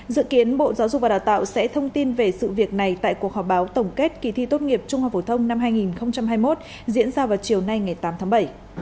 dự kiến bộ giáo dục và đào tạo sẽ thông tin về sự việc này tại cuộc họp báo tổng kết kỳ thi tốt nghiệp trung học phổ thông năm hai nghìn hai mươi một diễn ra vào chiều nay ngày tám tháng bảy